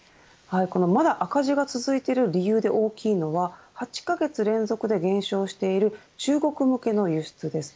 まだ赤字が続いている理由で大きいのは８カ月連続で減少している中国向けの輸出です。